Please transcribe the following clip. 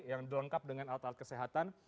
yang dilengkap dengan alat alat kesehatan